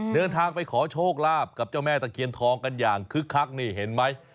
เดินทางไปขอโชคลาภกับเจ้าแม่ตะเคียนทองกันอย่างคึกคักนี่เห็นไหม